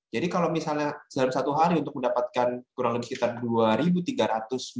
jadi kalau misalnya dalam satu hari untuk mendapatkan kurang lebih sekitar dua tiga ratus gram